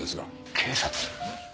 警察？